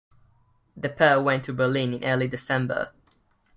The pair went to Berlin in early December.